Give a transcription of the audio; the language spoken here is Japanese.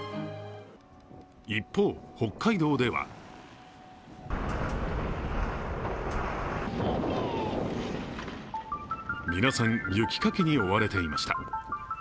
一方、北海道では皆さん、雪かきに追われていました。